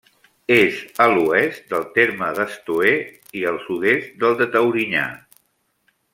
És a l'oest del terme d'Estoer i al sud-est del de Taurinyà.